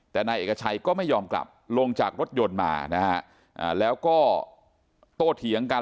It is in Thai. แต่นายเอกชัยก็ไม่ยอมกลับลงจากรถยนต์มานะฮะแล้วก็โตเถียงกัน